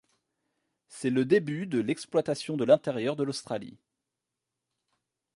C'est le début de l'exploitation de l'intérieur de l'Australie.